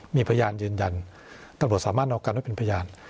มีพยานยืนยันตำรวจสามารถเอากันไว้เป็นพยาน